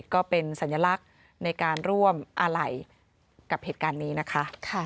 ก็เป็นสัญลักษณ์ในการร่วมอาไหล่กับเหตุการณ์นี้นะคะ